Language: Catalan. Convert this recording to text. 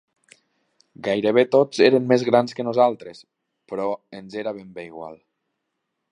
Gairebé tots eren més grans que nosaltres, però ens era ben bé igual.